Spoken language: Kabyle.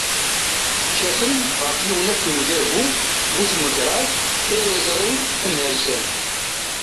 Kkaten ɣef yiwen akken udabu bu-tmegraḍ, iriẓri, amhersan.